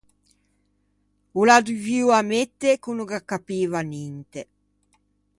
O l’à dovuo ammette ch’o no gh’accapiva ninte.